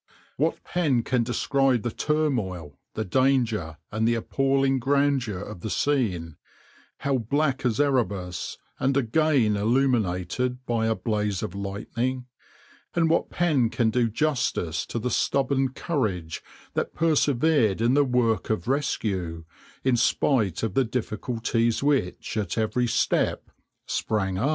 "What pen can describe the turmoil, the danger, and the appalling grandeur of the scene, how black as Erebus, and again illumined by a blaze of lightning? And what pen can do justice to the stubborn courage that persevered in the work of rescue, in spite of the difficulties which at each step sprang up?"